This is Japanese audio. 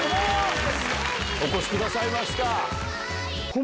お越しくださいました。